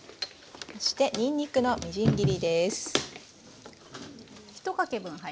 そしてにんにくのみじん切りです。